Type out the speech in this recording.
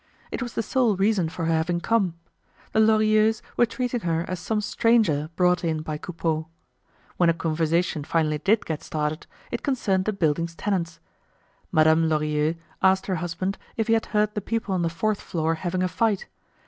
It was the sole reason for her having come. The Lorilleuxs were treating her as some stranger brought in by Coupeau. When a conversation finally did get started, it concerned the building's tenants. Madame Lorilleux asked her husband if he had heard the people on the fourth floor having a fight.